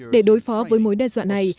để đối phó với mối đe dọa này